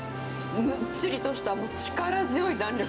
むっちりとしたもう力強い弾力。